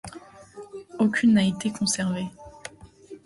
Aucune n'a été conservée.